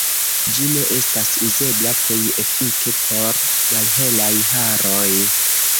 Ĝi ne estas uzebla plej efike por malhelaj haroj.